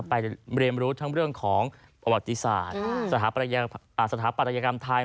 ไปเรียนรู้ทั้งเรื่องของประวัติศาสตร์สถาปัตยกรรมไทย